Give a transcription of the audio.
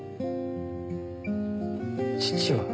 父は？